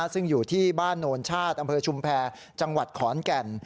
ซึ่งอยู่ที่บ้านโนนชาติอำเภอชุมแพรจังหวัดขอนแก่น